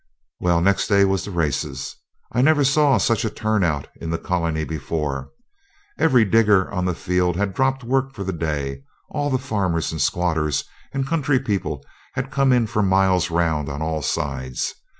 Well, next day was the races. I never saw such a turn out in the colony before. Every digger on the field had dropped work for the day; all the farmers, and squatters, and country people had come in for miles round on all sides.